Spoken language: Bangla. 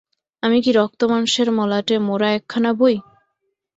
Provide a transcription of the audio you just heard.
আমি কি রক্তমাংসের মলাটে মোড়া একখানা বই?